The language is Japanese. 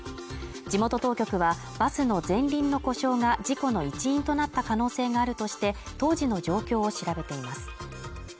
地元当局はバスの前輪の故障が事故の一因となった可能性があるとして当時の状況を調べています